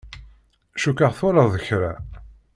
Cukkeɣ twalaḍ kra.